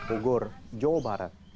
tugur jawa barat